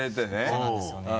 そうなんですよね。